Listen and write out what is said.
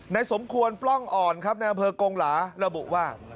อ่อนครับในอำเภอกงหลาระบุว่า